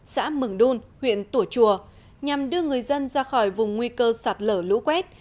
xã mừng đôn huyện tủa chùa nhằm đưa người dân ra khỏi vùng nguy cơ sạt lở lũ quét